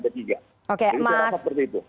jadi saya rasa seperti itu